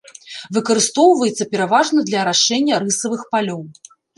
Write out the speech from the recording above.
Выкарыстоўваецца пераважна для арашэння рысавых палёў.